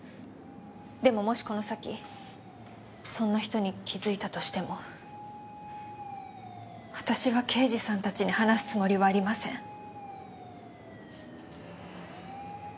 でももしこの先そんな人に気づいたとしても私は刑事さんたちに話すつもりはありません。